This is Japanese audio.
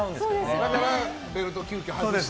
だからベルトを急きょ外して。